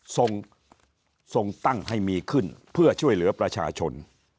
ทรงตั้งให้มีขึ้นเพื่อช่วยเหลือประชาชน